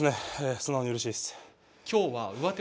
素直にうれしいです。